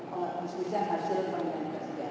bisnis yang hasil